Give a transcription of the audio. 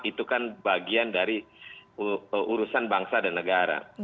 itu kan bagian dari urusan bangsa dan negara